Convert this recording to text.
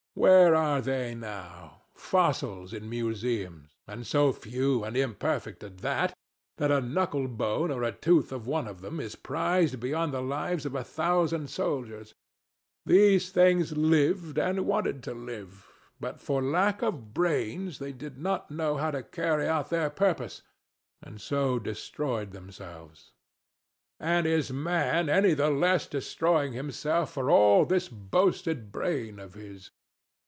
Where are they now? Fossils in museums, and so few and imperfect at that, that a knuckle bone or a tooth of one of them is prized beyond the lives of a thousand soldiers. These things lived and wanted to live; but for lack of brains they did not know how to carry out their purpose, and so destroyed themselves. THE DEVIL. And is Man any the less destroying himself for all this boasted brain of his?